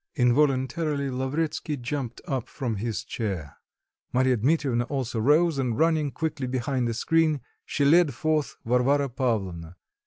Involuntarily Lavretsky jumped up from his chair; Marya Dmitrievna also rose and running quickly behind a screen, she led forth Varvara Pavlovna.